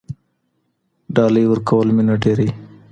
ډالۍ ورکول مینه ډیروي.